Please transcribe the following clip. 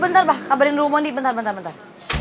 bentar pak kabarin dulu mondi bentar bentar bentar